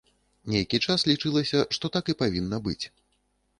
Нейкі час лічылася, што так і павінна быць.